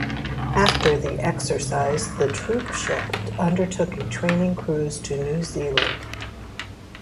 After the exercise, the troopship undertook a training cruise to New Zealand.